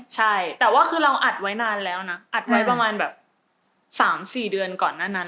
ใช่แต่ว่าคือเราอัดไว้นานแล้วนะอัดไว้ประมาณแบบ๓๔เดือนก่อนหน้านั้น